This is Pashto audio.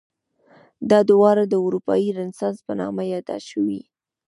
دا دوره د اروپايي رنسانس په نامه یاده شوې.